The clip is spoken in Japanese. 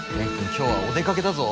今日はお出かけだぞ。